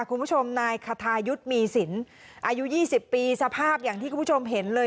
คุณผู้ชมนายคทายุทธ์มีสินอายุ๒๐ปีสภาพอย่างที่คุณผู้ชมเห็นเลย